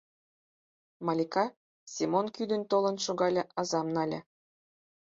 Малика Семон кӱдынь толын шогале, азам нале.